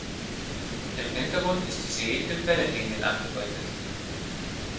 Im Hintergrund ist die See in Wellenlinien angedeutet.